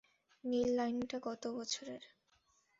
নীল লাইনটা গত বছরের।